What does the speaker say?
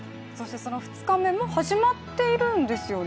その２日目も始まっているんですよね。